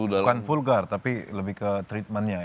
bukan vulgar tapi lebih ke treatmentnya